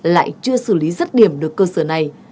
lại chưa xử lý rứt điểm được cơ sở này